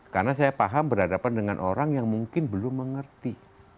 karena saya paham berhadapan dengan orang yang mungkin belum mengerti